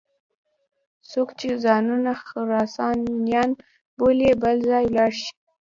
څوک چې ځانونه خراسانیان بولي بل ځای ولاړ شي.